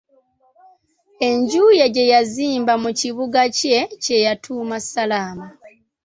Enju ye gye yazimba mu kibuga kye, kye yatuuma Salaama.